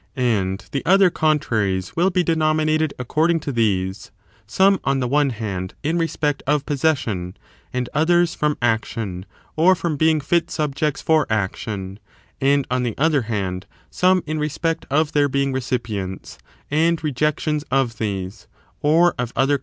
And the other contraries will be denominated according to these, some, on the one hand, in respect of possession, and others from action, or from being fit subjects for action ; and, on the other hand, some in respect of their being recipients, and rejections of these, or of other contraries.